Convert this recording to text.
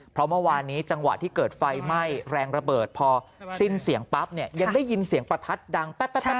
เพราะเมื่อวานนี้จังหวะที่เกิดไฟไหม้แรงระเบิดพอสิ้นเสียงปั๊บเนี่ยยังได้ยินเสียงประทัดดังแป๊บ